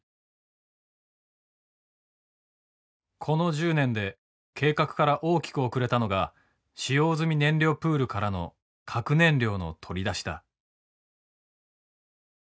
この１０年で計画から大きく遅れたのが使用済み燃料プールからの核燃料の取り出しだ。